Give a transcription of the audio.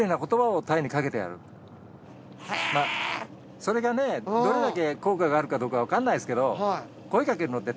それがどれだけ効果があるかどうかわかんないですけど。